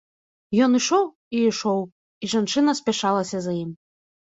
Ён ішоў і ішоў, і жанчына спяшалася за ім.